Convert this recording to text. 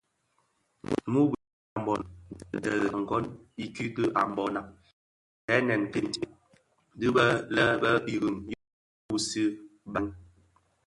Muu bitaň a mbono dhi agon I kiiki a Mbona ndhenèn kitsè dhi bè lè Iring ñyi fusii barèn.